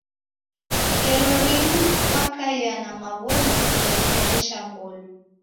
Ngelo rimu wakaia na maw'ono ghemhoresha ngolo.